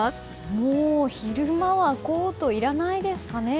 もう昼間はコートいらないですかね。